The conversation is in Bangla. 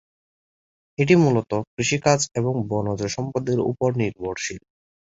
এটি মূলত কৃষিকাজ এবং বনজ সম্পদের ওপর নির্ভরশীল।